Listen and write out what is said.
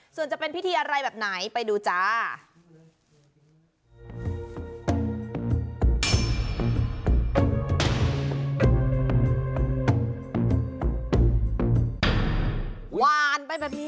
ส่วนจะเป็นพิธีอะไรแบบไหน